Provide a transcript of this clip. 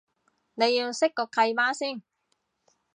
你要識個契媽先